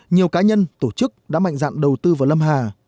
nhiều cá nhân tổ chức đã mạnh dạn đầu tư vào lâm hà